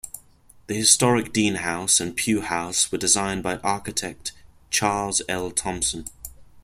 The historic Dean House and Pugh House were designed by architect Charles L. Thompson.